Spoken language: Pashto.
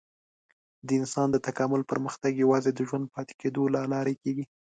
د انسان د تکامل پرمختګ یوازې د ژوندي پاتې کېدو له لارې کېږي.